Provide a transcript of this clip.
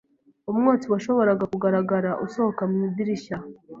Umwotsi washoboraga kugaragara usohoka mu idirishya.